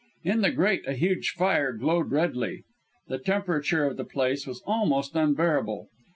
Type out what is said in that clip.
In the grate a huge fire glowed redly; the temperature of the place was almost unbearable.